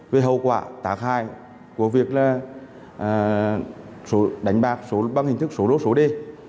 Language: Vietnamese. về hậu quả tác hại của việc đánh bạc bằng hình thức số lô số đê